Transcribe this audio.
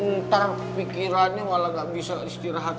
ntar pikirannya malah gak bisa istirahat